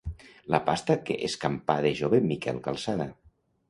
La pasta que escampà de jove Miquel Calçada.